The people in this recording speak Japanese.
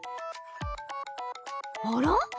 あら？